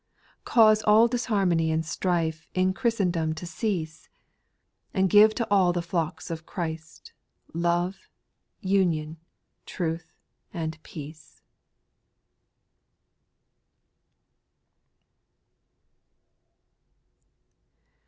5. Cause all disharmony and strife In Christendom to cease ; And give to all the flocks of Christ Love, union, truth, and peace.